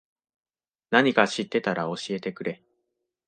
なにか知ってたら教えてくれ。